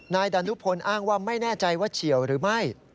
ดานุพลอ้างว่าไม่แน่ใจว่าเฉียวหรือไม่